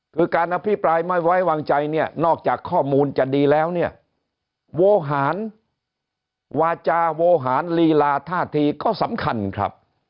คือการอภิปรายไม่ไว้วางใจเนี่ยนอกจากข้อมูลจะดีแล้วเนี่ยโวหารวาจาโวหารลีลาท่าทีก็สำคัญครับ